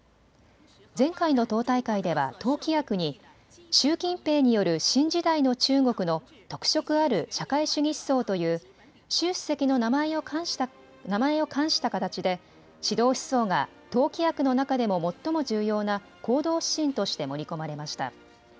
前回の党大会では党規約に習近平による新時代の中国の特色ある社会主義思想という習主席の名前を冠した形で指導思想が党規約の中でも最も重要な行動指針として盛り込まれました。